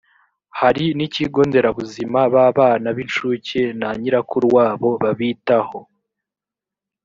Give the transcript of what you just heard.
hari n ikigo nderabuzima ba bana b inshuke na nyirakuru wabo babitaho